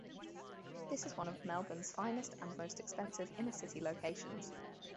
This is one of Melbourne's finest and most expensive inner-city locations.